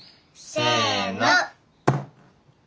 せの。